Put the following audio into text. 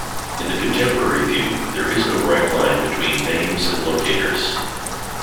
In the contemporary view, there is no bright line between "names" and "locators".